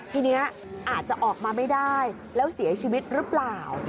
ทีนี้อาจจะออกมาไม่ได้แล้วเสียชีวิตหรือเปล่า